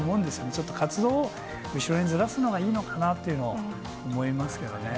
ちょっと活動を後ろにずらすのがいいのかなっていうのを思いますよね。